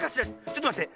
⁉ちょっとまって。